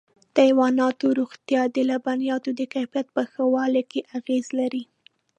د حيواناتو روغتیا د لبنیاتو د کیفیت په ښه والي کې اغېز لري.